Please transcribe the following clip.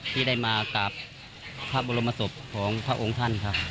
ที่ได้มากราบพระบรมศพของพระองค์ท่านครับ